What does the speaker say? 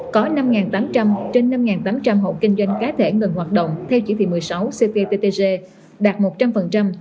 có năm tám trăm linh trên năm tám trăm linh hộ kinh doanh cá thể ngừng hoạt động theo chỉ thị một mươi sáu cptg đạt một trăm linh